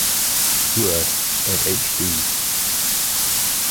Worth, and H.-D.